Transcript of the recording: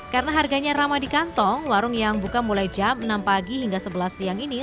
karena harganya ramai di kantong warung yang buka mulai jam enam pagi hingga sebelas siang ini